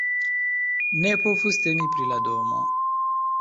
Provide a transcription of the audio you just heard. Ne povus temi pri la domo.